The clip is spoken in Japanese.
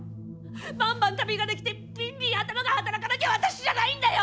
バンバン旅ができてビンビン頭が働かなきゃ私じゃないんだよ！